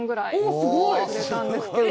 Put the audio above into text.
すごい！売れたんですけど。